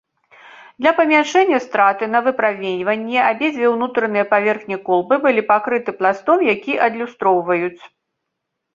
Для памяншэння страты на выпраменьванне абедзве ўнутраныя паверхні колбы былі пакрыты пластом, які адлюстроўваюць.